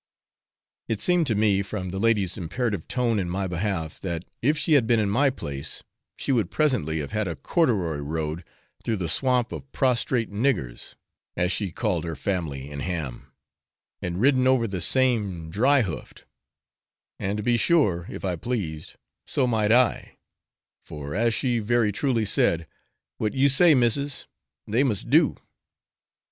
It seemed to me, from the lady's imperative tone in my behalf, that if she had been in my place, she would presently have had a corduroy road through the swamp of prostrate 'niggers,' as she called her family in Ham, and ridden over the same dry hoofed; and to be sure, if I pleased, so might I, for, as she very truly said, 'what you say, missis, they must do.'